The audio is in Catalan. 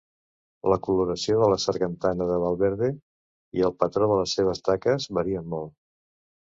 La coloració de la sargantana de Valverde i el patró de les seves taques varien molt.